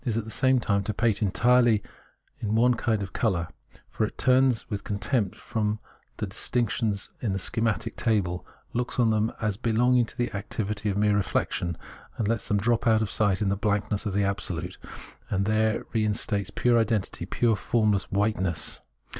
— E 50 Phenomenology of Mind at the same time, to paint entirely in one kind of colour ; for it turns with contempt from the dis tinctions in the schematic table, looks on them as belonging to the activity of mere reflection, and lets them drop out of sight in the blankness of the Absolute, and there reinstates pure identity, pure formless white ness.